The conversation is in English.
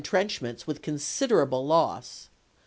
trenchments with considerable loss.